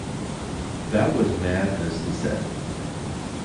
"That was madness," he said.